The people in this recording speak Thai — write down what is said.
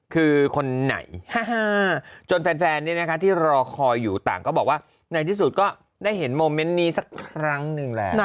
คือคนไหนจนแฟนที่รอคอยอยู่ต่างก็บอกว่าในที่สุดก็ได้เห็นโมเมนต์นี้สักครั้งหนึ่งแหละ